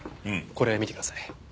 これ見てください。